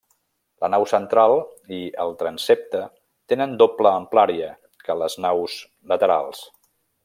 La nau central i el transsepte tenen doble amplària que les naus laterals.